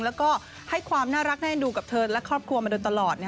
แล้วก็ให้ความน่ารักน่าเอ็นดูกับเธอและครอบครัวมาโดยตลอด